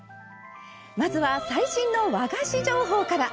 まずは最新の和菓子情報から。